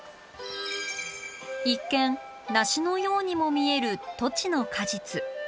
一見梨のようにも見えるトチの果実。